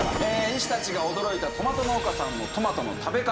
医師たちが驚いたトマト農家さんのトマトの食べ方